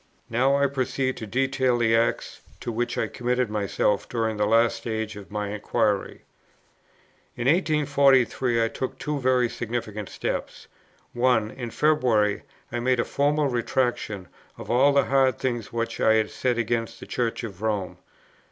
Now I proceed to detail the acts, to which I committed myself during this last stage of my inquiry. In 1843, I took two very significant steps: 1. In February, I made a formal Retractation of all the hard things which I had said against the Church of Rome.